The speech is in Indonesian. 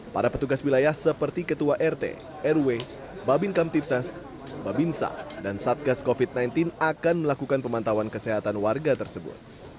para petugas wilayah seperti ketua rt rw babin kamtipnas babinsa dan satgas covid sembilan belas akan melakukan pemantauan kesehatan warga tersebut